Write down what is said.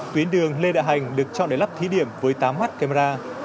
tuyến đường lê đại hành được chọn để lắp thí điểm với tám mắt camera